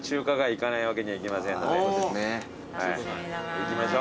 行きましょう。